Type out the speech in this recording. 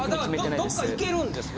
どっか行けるんですね？